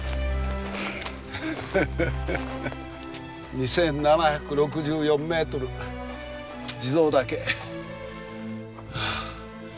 ２，７６４メートル地蔵岳。